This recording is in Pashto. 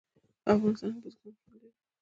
په افغانستان کې بزګان شتون لري.